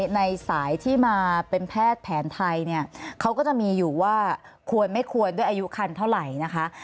ในสายที่มาเป็นแพทย์แผนไทยเนี่ยเขาก็จะมีอยู่ว่าควรไม่ควรด้วยอายุคันเท่าไหร่นะคะ